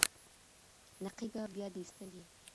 نقيبه! بيا دي سترګي